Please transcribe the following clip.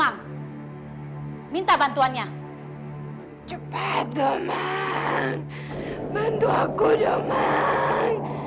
apakah mungkin yang ketara saya bukan